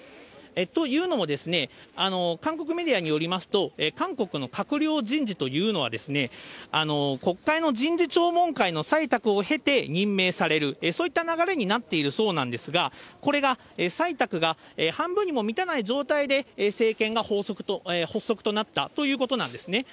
というのも、韓国メディアによりますと、韓国の閣僚人事というのは、国会の人事聴聞会の採択を経て任命される、そういった流れになっているそうなんですが、これが採択が半分にも満たない状態で政権が発足となったということなんですね。